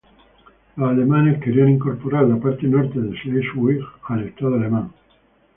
Los alemanes querían incorporar la parte norte de Schleswig al estado alemán.